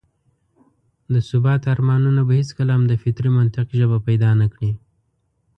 د ثبات ارمانونه به هېڅکله هم د فطري منطق ژبه پيدا نه کړي.